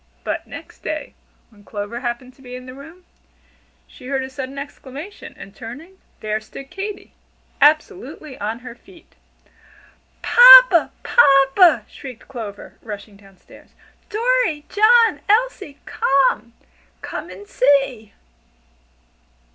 But next day, when Clover happened to be in the room, she heard a sudden exclamation, and turning, there stood Katy, absolutely on her feet. "Papa! papa!" shrieked Clover, rushing down stairs. "Dorry, John, Elsie come! Come and see!"